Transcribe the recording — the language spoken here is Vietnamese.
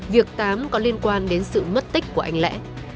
việc tám có liên quan đến sự mất tích của anh lẽ